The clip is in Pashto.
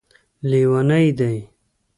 لیوني دی